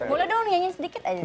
boleh dong nyanyiin sedikit aja